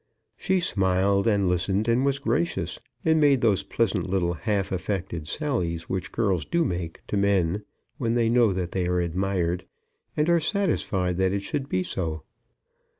She smiled, and listened, and was gracious, and made those pleasant little half affected sallies which girls do make to men when they know that they are admired, and are satisfied that it should be so.